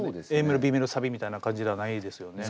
ＡメロＢメロサビみたいな感じではないですよね。